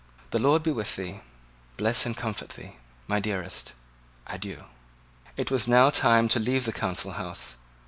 The Lord be with thee, bless and comfort thee, my dearest. Adieu." It was now time to leave the Council House.